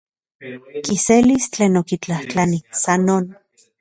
Kiselis tlen okitlajtlani, san non.